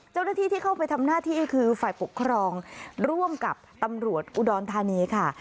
เจ้าหน้าที่ที่เข้าไปทำหน้าที่คือฝ่ายปกครองร่วมกับตำรวจอุดรธานีค่ะ